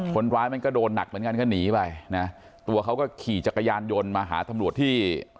คนร้ายมันก็โดนหนักเหมือนกันก็หนีไปนะตัวเขาก็ขี่จักรยานยนต์มาหาตำรวจที่